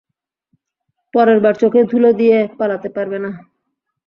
পরেরবার চোখে ধুলো দিয়ে পালাতে পারবে না।